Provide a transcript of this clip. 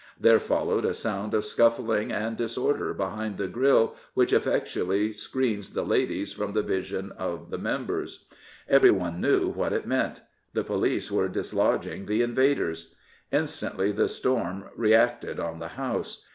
There followed a sound of scuffling and disorder behind the grille which effectually screens the ladies from the vision of the members. Everyone knew what it meant. The police were dislodging the invaders. Instantly the storm reacted on the House.